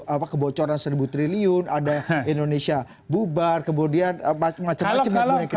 apa kebocoran rp satu triliun ada indonesia bubar kemudian macam macam yang mulai kita lihat sekali